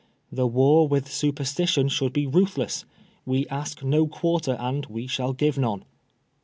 The war with superstition should be ruthless. We ask no quarter and we shall give none.